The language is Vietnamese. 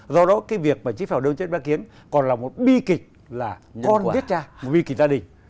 do đó việc trí phèo đơn chết bá kiến còn là một bi kịch là con viết cha một bi kịch gia đình